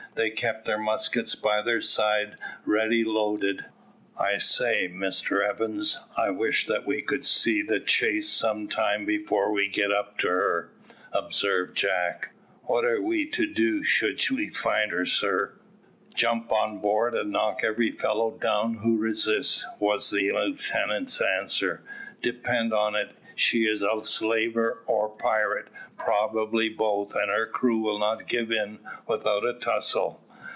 They kept their muskets by their sides ready loaded. "I say, Mr Evans, I wish that we could see the chase some time before we get up to her," observed Jack. "What are we to do should we find her, sir?" "Jump on board, and knock every fellow down who resists," was the lieutenant's answer. "Depend on it she is a slaver or pirate, probably both, and her crew will not give in without a tussle."